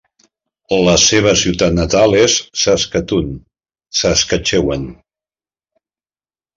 La seva ciutat natal és Saskatoon, Saskatchewan.